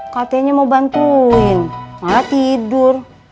katanya mau bantuin malah tidur